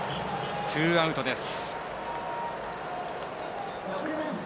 ツーアウトです。